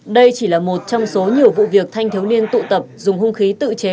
đây chỉ là một trong số nhiều vụ việc thanh thiếu niên tụ tập dùng hung khí tự chế